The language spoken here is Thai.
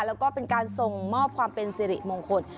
แล้วก็เป็นการส่งมอบความเป็นสิริมงคล